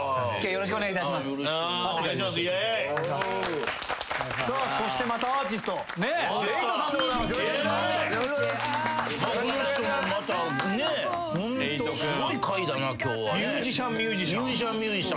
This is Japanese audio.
よろしくお願いします。